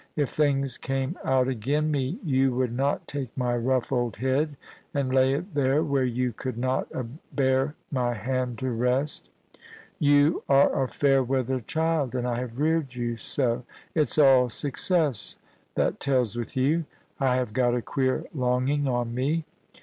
... If things came out agen me you would not take my rough old head and lay it there, where you could not abear my hand to rest ... You are a fair weather child, and I have reared you so. It's all suc cess that tells with you. ... I have got a queer longing on me.